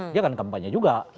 dia akan kampanye juga